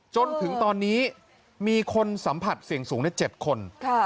จนถึงตอนนี้มีคนสัมผัสเสี่ยงสูงใน๗คน